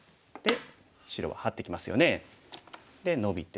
白はハッてきますよねでノビて。